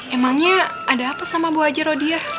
emangnya ada apa sama bu haji rodia